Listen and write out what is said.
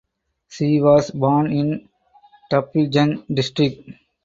She was born in Taplejung district.